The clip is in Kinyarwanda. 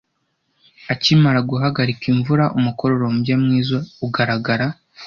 Akimara guhagarika imvura umukororombya mwiza ugaragara.